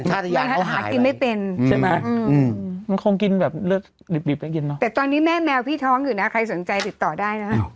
แต่ชาติยานเขาหายไปใช่ไหมมันคงกินแบบเลือดหลีบไม่กินเนอะแต่ตอนนี้แมวพี่ท้องอยู่นะใครสนใจติดต่อได้นะครับ